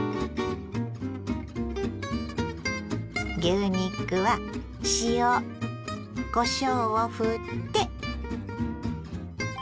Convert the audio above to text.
牛肉は塩こしょうをふって。